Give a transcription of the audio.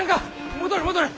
戻れ戻れ！